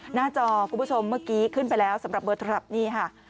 หน้าจอคุณผู้ชมเมื่อกี้ขึ้นไปแล้วสำหรับเบอร์โทรศัพท์นี่ค่ะ